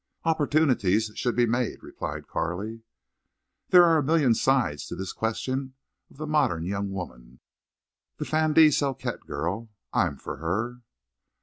"Opportunities should be made," replied Carley. "There are a million sides to this question of the modern young woman—the fin de siècle girl. I'm for her!"